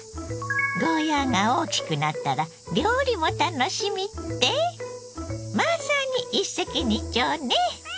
ゴーヤーが大きくなったら料理も楽しみって⁉まさに一石二鳥ね！